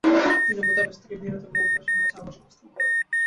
তিনি বুদাপেস্ট থেকে ভিয়েনাতে ভ্রমণ করে সেখানে চার মাস অবস্থান করেন।